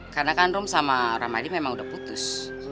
karena kandung sama rahmadi memang udah putus